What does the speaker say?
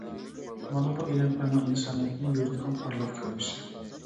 مانا بۇ ئىلىم-پەننىڭ ئىنسانىيەتنى يورۇتقان پارلاق كەلگۈسى.